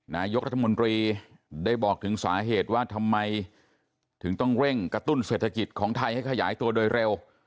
นายกรัฐมนตรีได้บอกถึงสาเหตุว่าทำไมถึงต้องเร่งกระตุ้นเศรษฐกิจของไทยให้ขยายตัวโดยเร็ว